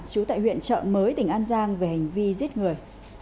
chú tại huyện trợ mới tỉnh an giang về hành vi giết người